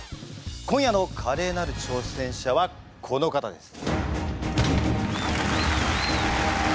今夜のカレーなる挑戦者はこの方です！